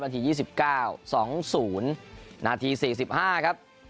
นาที๒๙๒๐นาที๔๕ครับ